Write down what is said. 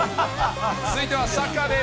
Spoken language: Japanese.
続いてはサッカーです。